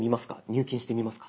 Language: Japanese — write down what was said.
入金してみますか？